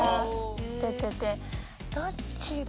どっちだ？